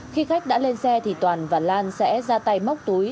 khi khách đã lên xe thì toàn và lan sẽ ra tay móc túi